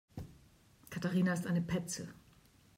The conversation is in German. Katharina ist eine Petze.